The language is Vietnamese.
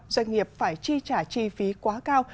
doanh nghiệp phải chi trả chi phí quá cao